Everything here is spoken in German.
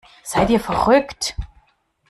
Seid ihr verrückt?